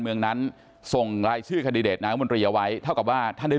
เมืองนั้นส่งรายชื่อคันดิเดตนายมนตรีเอาไว้เท่ากับว่าท่านได้